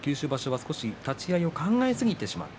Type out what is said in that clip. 少し立ち合いを考えすぎてしまった。